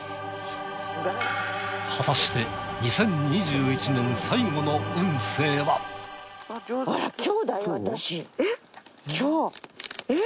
果たして２０２１年最後の運勢は。えっ！？